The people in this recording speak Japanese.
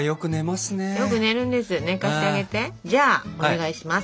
じゃあお願いします。